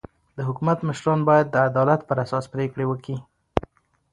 د حکومت مشران باید د عدالت پر اساس پرېکړي وکي.